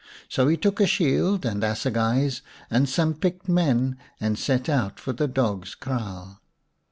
So he took a shield and assegais and some picked men and set out for the dog's kraal.